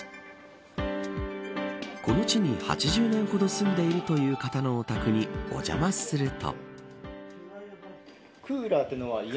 この地に８０年ほど住んでいるという方のお宅にお邪魔すると。